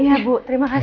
iya bu terima kasih